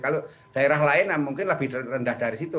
kalau daerah lain mungkin lebih rendah dari situ